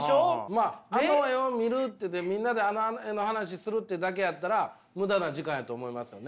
まああの絵を見るってみんなであの絵の話をするってだけやったら無駄な時間やと思いますよね。